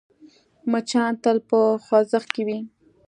مچان تل په خوځښت کې وي